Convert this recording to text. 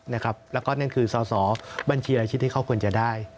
แล้วก็นั่นคือสอสอบัญชีรายชื่อที่เขาควรจะได้